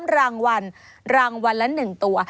๓รางวัลรางวัลละ๑ตัว